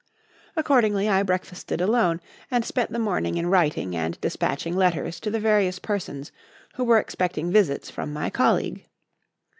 Accordingly, I breakfasted alone, and spent the morning in writing and despatching letters to the various persons who were expecting visits from my colleague.